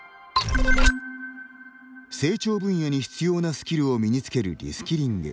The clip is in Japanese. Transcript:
成長分野に必要なスキルを身につけるリスキリング。